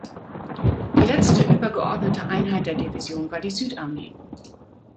Die letzte übergeordnete Einheit der Division war die Südarmee.